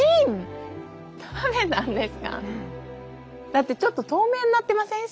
だってちょっと透明になってません？